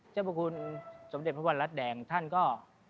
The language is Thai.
เจ้าประคุณศมพระบาลลัตต์แดงท่านก็